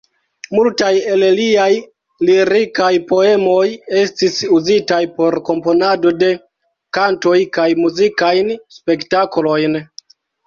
Multaj el liaj lirikaj poemoj estis uzitaj por komponado de kantoj kaj muzikajn spektaklojn.